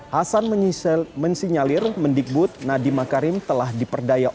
hasan mensinyalir mendikbud nadiem makarim telah diperdayakan